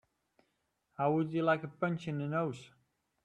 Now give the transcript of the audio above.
How would you like a punch in the nose?